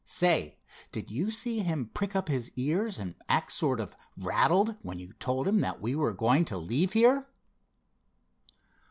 Say, did you see him prick up his ears and act sort of rattled, when you told him that we were going to leave here?"